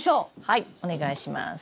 はいお願いします。